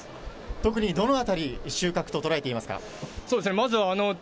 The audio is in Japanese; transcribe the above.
特にどのあたりを収穫と捉えていますか？